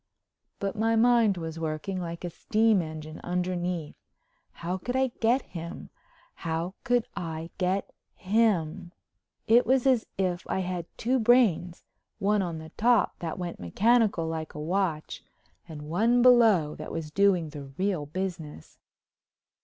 But my mind was working like a steam engine underneath. How could I get him—how could I get him? It was as if I had two brains, one on the top that went mechanical like a watch and one below that was doing the real business.